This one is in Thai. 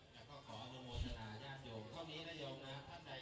ใดจะรู้ว่าเป็นต้นให้วันนี้ดีมากนะครับ